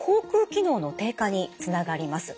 機能の低下につながります。